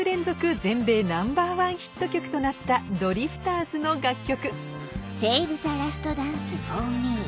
全米ナンバーワンヒット曲となったドリフターズの楽曲